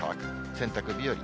洗濯日和。